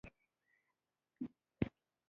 فزیک علم د کایناتو رازونه راسپړي